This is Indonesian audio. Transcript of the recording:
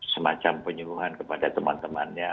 semacam penyembuhan kepada teman temannya